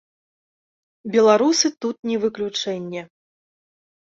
Беларусы тут не выключэнне.